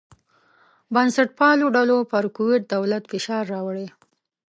بنسټپالو ډلو پر کویت دولت فشار راوړی.